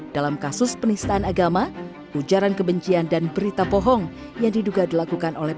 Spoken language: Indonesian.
dalam kasus penistaan agama ujaran kebencian dan berita bohong yang diduga dilakukan oleh